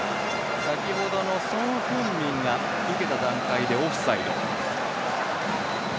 先ほどのソン・フンミンが受けた段階でオフサイド。